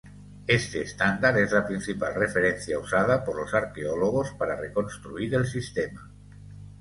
Este estándar es la principal referencia usada por los arqueólogos para reconstruir el sistema.